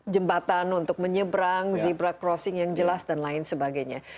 jembatan untuk menyeberang zebra crossing yang jelas dan lain sebagainya